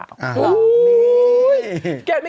อาฮะคุณแม่ก็อยู่อยู่คุณแม่แล้วอุ้ย